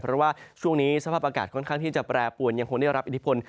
เพราะว่าช่วงนี้สภาพอากาศค่อนข้างที่จะแปรปวนยังคงได้รับอิทธิพล